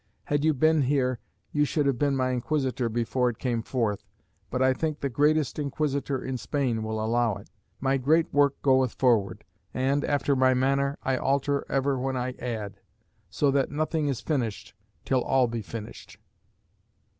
Had you been here, you should have been my inquisitor before it came forth; but I think the greatest inquisitor in Spain will allow it.... My great work goeth forward, and, after my manner, I alter ever when I add. So that nothing is finished till all be finished.